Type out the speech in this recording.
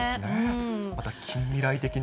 また近未来的な。